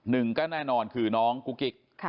นี่ก็แน่นอนคือน้องกุกกิกค่ะ